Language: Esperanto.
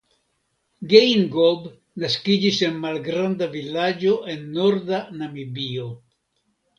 Geingob naskiĝis en malgranda vilaĝo en norda Namibio.